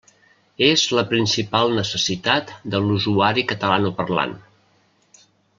És la principal necessitat de l'usuari catalanoparlant.